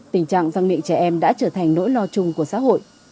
tình trạng răng miệng trẻ em đã trở thành nỗi lo chung của xã hội